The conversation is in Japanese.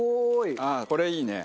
これいいね。